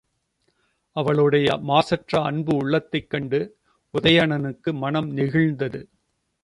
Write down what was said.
அவளுடைய மாசற்ற அன்பு உள்ளத்தைக் கண்டு உதயணனுக்கு மனம் நெகிழ்ந்தது.